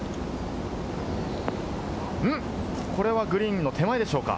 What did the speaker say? これはグリーンの手前でしょうか？